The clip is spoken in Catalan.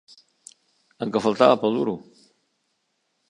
El que faltava per al duro.